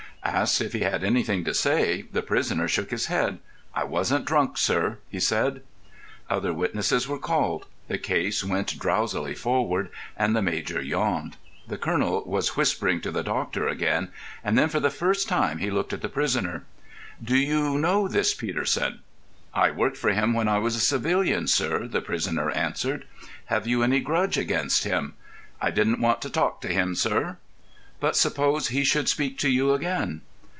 Asked if he had anything to say, the prisoner shook his head. "I wasn't drunk, sir," he said. Other witnesses were called; the case went drowsily forward, and the major yawned. The colonel was whispering to the doctor again, and then for the first time he looked at the prisoner. "Do you know this Peterson?" "I worked for him when I was a civilian, sir," the prisoner answered. "Have you any grudge against him?" "I didn't want to talk to him, sir." "But suppose he should speak to you again?"